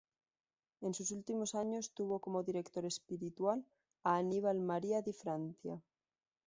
En sus últimos años tuvo como director espiritual a Aníbal María di Francia.